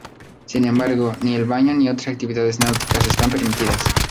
Sin embargo, ni el baño ni otras actividades náuticas están permitidas.